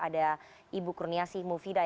ada ibu kurniasih mufidaya